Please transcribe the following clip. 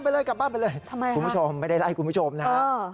ทำไมครับคุณผู้ชมไม่ได้ไล่คุณผู้ชมนะครับ